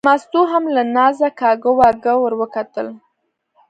مستو هم له نازه کاږه واږه ور وکتل.